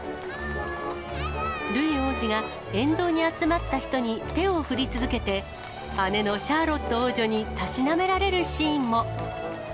ルイ王子が沿道に集まった人に手を振り続けて、姉のシャーロット王女にたしなめられるシーンも。